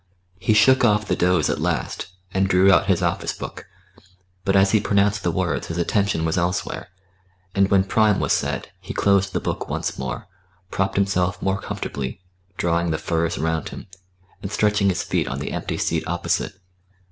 He shook off the doze at last, and drew out his office book; but as he pronounced the words his attention was elsewhere, and, when Prime was said, he closed the book once more, propped himself more comfortably, drawing the furs round him, and stretching his feet on the empty seat opposite.